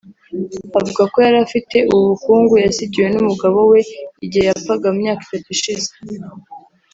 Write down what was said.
avuga ko yari afite ubu bukungu yasigiwe n’umugabo we igihe yapfaga mu myaka itatu ishize